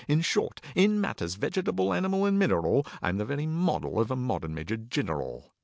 In short, in matters vegetable, animal, and mineral, I am the very model of a modern Major Gineral.